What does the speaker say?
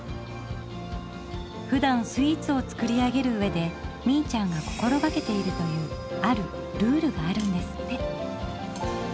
ふだんスイーツを作り上げる上でみいちゃんが心がけているというあるルールがあるんですって！